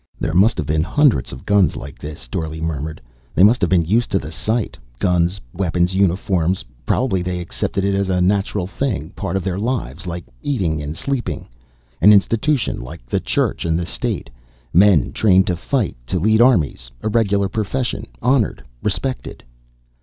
"There must have been hundreds of guns like this," Dorle murmured. "They must have been used to the sight, guns, weapons, uniforms. Probably they accepted it as a natural thing, part of their lives, like eating and sleeping. An institution, like the church and the state. Men trained to fight, to lead armies, a regular profession. Honored, respected."